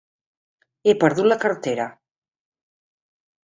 He perdut la cartera.